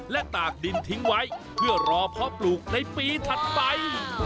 และตากดินทิ้งไว้เพื่อรอเพาะปลูกในปีถัดไป